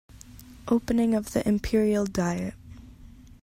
Opening of the Imperial diet.